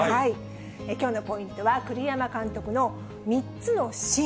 きょうのポイントは、栗山監督の３つの信。